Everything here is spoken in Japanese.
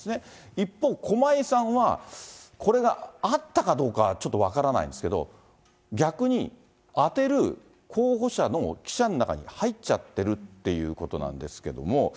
一方、駒井さんはこれがあったかどうかはちょっと分からないんですけど、逆に当てる候補者の記者の中に入っちゃってるっていうことなんですけども。